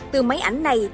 từ máy ảnh này